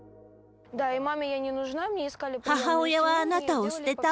母親はあなたを捨てた。